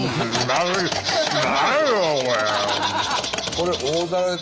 これ。